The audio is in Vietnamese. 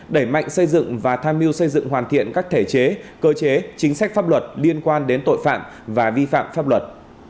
đẩy mạnh xây dựng và tham mưu xây dựng hoàn thiện các thể chế cơ chế chính sách pháp luật liên quan đến tội phạm và vi phạm pháp luật